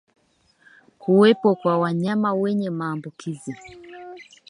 Kuwepo kwa wanyama wenye maambukizi